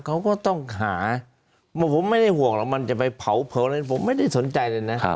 เขาก็ต้องหาผมไม่ได้ห่วงว่ามันจะไปเผาผมไม่ได้สนใจเลยนะ